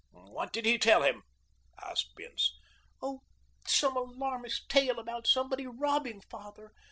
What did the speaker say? "What did he tell him?" asked Bince. "Oh, some alarmist tale about somebody robbing father.